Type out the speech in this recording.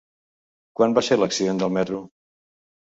Quan va ser l'accident del metro?